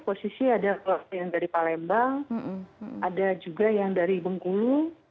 posisi ada yang dari palembang ada juga yang dari bengkulu